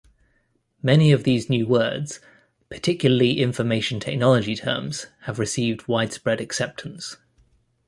Many of these new words, particularly information technology terms, have received widespread acceptance.